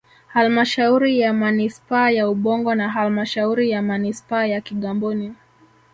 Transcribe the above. Halmashauri ya Manispaa ya Ubungo na Halmashauri ya Manispaa ya Kigamboni